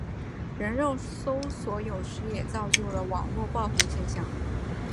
人肉搜索有时也造就了网路爆红现象。